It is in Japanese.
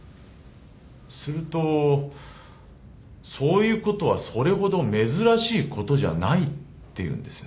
すると「そういうことはそれほど珍しいことじゃない」って言うんです。